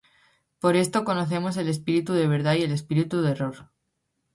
Por esto conocemos el espíritu de verdad y el espíritu de error.